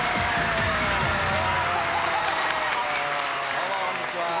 どうもこんにちは。